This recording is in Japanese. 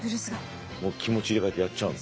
もう気持ち入れ替えてやっちゃうの？